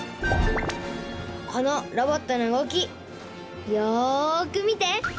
このロボットの動きよく見て。